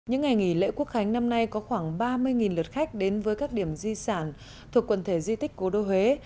những ngày nghỉ lễ quốc khánh năm nay có khoảng ba mươi lượt khách đến với các điểm di sản thuộc quần thể di tích cố đô huế